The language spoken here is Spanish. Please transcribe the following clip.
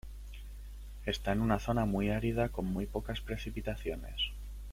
Está en una zona muy árida con muy pocas precipitaciones.